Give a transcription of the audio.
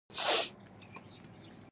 داوود خان وويل: د خسرو خان لښکر دی.